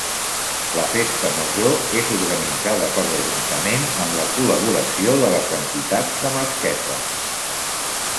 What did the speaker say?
La Festa Major és organitzada per l'Ajuntament amb la col·laboració de les entitats de Masquefa.